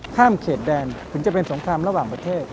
ข้ามเขตแดนถึงจะเป็นสงครามระหว่างประเทศ